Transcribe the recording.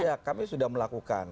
ya kami sudah melakukan